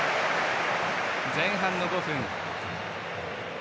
前半の５分。